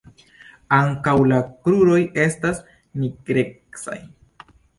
Ankaŭ la kruroj estas nigrecaj.